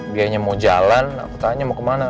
dia hanya mau jalan aku tanya mau kemana